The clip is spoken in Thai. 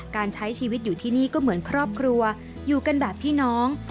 การใช้ชีวิตอยู่ที่นี่ก็เหมือนครอบครัวอยู่กันแบบพี่น้อง